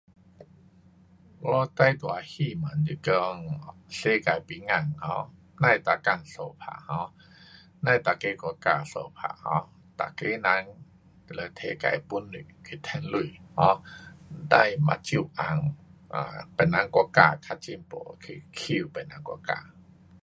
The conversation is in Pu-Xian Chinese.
我最大的希望是讲世界平安 um 别每天相打 um，甭每个国家相打，um 每个人都得提自的本事去赚钱，um 甭眼镜红，啊，别人国家较进步，去欺负别人国家。